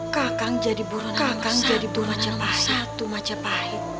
kang jadi buru nomor satu majapahit